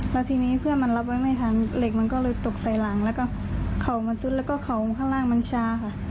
แล้วทีนี้เพื่อนมันรับไว้ไม่ทันเหล็กมันก็เลยตกใส่หลังแล้วก็เข่ามันซุดแล้วก็เข่าข้างล่างมันชาค่ะ